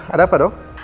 ada apa dok